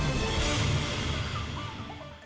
ini adalah muncul di publik